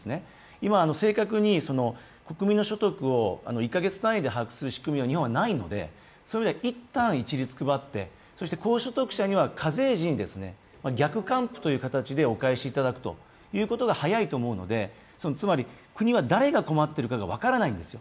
今、正確に国民の所得を１カ月単位で把握する仕組みは日本ではないのでそういう意味では一旦一律で配って高所得者には課税時に逆還付という形でお返ししていただくことが早いと思うので、国は誰が困っているかが分からないんですよ。